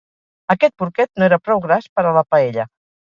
Aquest porquet no era prou gras per a la paella.